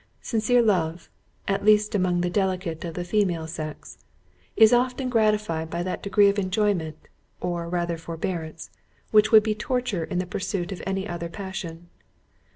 Sincere love (at least among the delicate of the female sex) is often gratified by that degree of enjoyment, or rather forbearance, which would be torture in the pursuit of any other passion.